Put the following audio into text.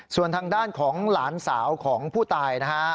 ส่วนทางด้านของหลานสาวของผู้ตายนะฮะ